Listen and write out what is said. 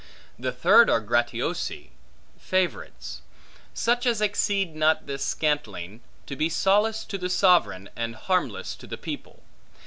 The third are gratiosi, favorites; such as exceed not this scantling, to be solace to the sovereign, and harmless to the people.